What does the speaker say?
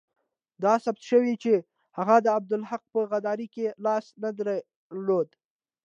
دا ثابته شوه چې هغه د عبدالحق په غداري کې لاس نه درلود.